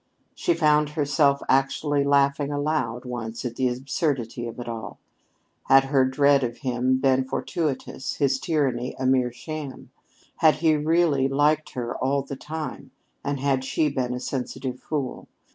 She found herself actually laughing aloud once at the absurdity of it all. Had her dread of him been fortuitous, his tyranny a mere sham? Had he really liked her all the time, and had she been a sensitive fool?